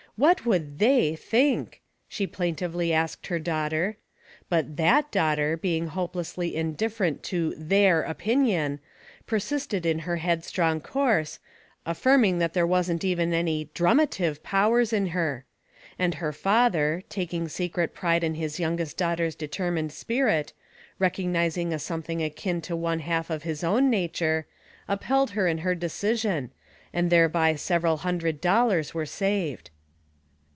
What would " they " think? she plaintively asked her daughter ; but that daughter being hopelessly indifferent to ''''their"' opinion, persisted in her headstrong course, af firming that there wasn't even any ^^ drumative'* powers in her; and her father, taking secret pride in his youngest daughter's determined spirit, recognizing a something akin to one half of hi^ own nature, upheld her in her decision, and Tiffo Peters, 29 thereby several hundred dollars were saved.